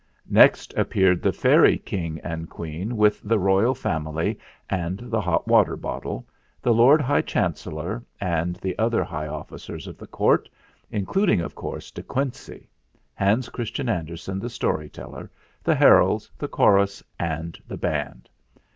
Next appeared the Fairy King and Queen with the royal family and the hot water bottle, the Lord High Chancellor, and the other high officers of the Court, including, of course, De Quincey, Hans Andersen the story teller, the heralds, the chorus, and the band.